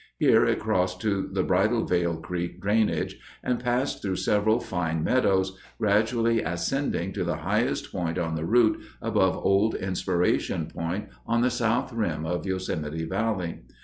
Here it crossed to the Bridalveil Creek drainage and passed through several fine meadows, gradually ascending to the highest point on the route above Old Inspiration Point on the south rim of Yosemite Valley.